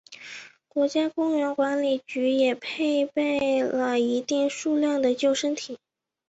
国家公园管理局也配备了一定数量的救生艇。